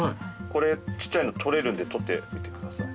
これちっちゃいの取れるんで取ってみてください。